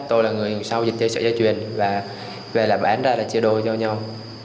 tôi là người ngồi sau dịch trận di chuyển và về lại bán ra là chia đôi cho nhau